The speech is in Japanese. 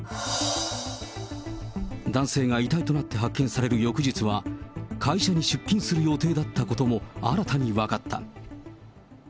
男性が遺体となって発見される翌日は、会社に出勤する予定だったことも、新たに分かった。